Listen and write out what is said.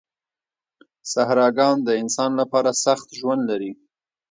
صحراګان د انسان لپاره سخت ژوند لري.